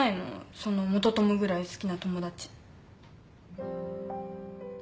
その元トモぐらい好きな友達。